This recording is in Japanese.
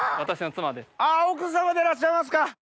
奥様でいらっしゃいますか！